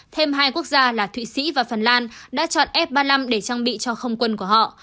thêm hai quốc gia là thụy sĩ và phần lan đã chọn f ba mươi năm để trang bị cho không quân của họ